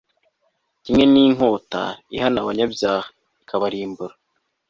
kimwe n'inkota ihana abanyabyaha, ikabarimbura